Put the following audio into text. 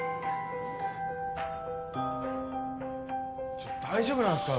ちょっ大丈夫なんすか？